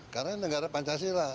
karena negara pancasila